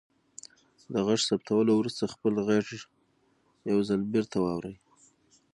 د غږ ثبتولو وروسته خپل غږ یو ځل بیرته واورئ.